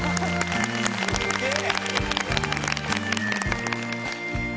すげえ！